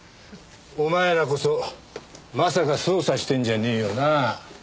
お前らこそまさか捜査してるんじゃねえよな？